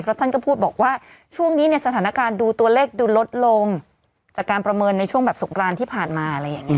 ท่านก็พูดบอกว่าช่วงนี้เนี่ยสถานการณ์ดูตัวเลขดูลดลงจากการประเมินในช่วงแบบสงกรานที่ผ่านมาอะไรอย่างนี้